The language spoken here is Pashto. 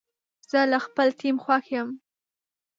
زه له خپل ټیم خوښ یم.